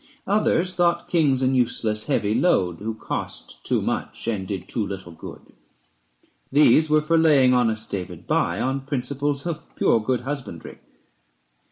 Others thought kings an useless heavy load, 505 Who cost too much and did too little good. These were for laying honest David by On principles of pure good husbandry.